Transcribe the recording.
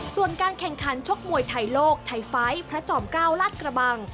ส่วนการแข่งขันชกมวยไทยโลกไทยไฟท์พระจอม๙ลาดกระบัง